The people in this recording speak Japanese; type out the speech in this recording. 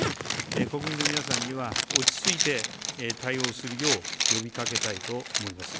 国民の皆さんには落ち着いて対応するよう呼びかけたいと思います。